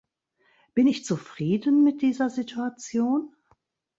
Bin ich zufrieden mit dieser Situation?